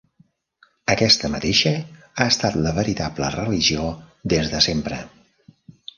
Aquesta mateixa ha estat la veritable religió des de sempre.